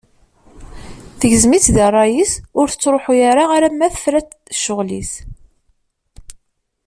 Tegzem-itt di rray-is, ur tettruḥu ara alamma tefra-d ccɣel-is.